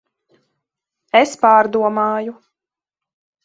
Es pārdomāju.